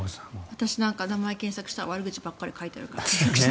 私なんか名前を検索したら悪口ばっかり書いてあるから。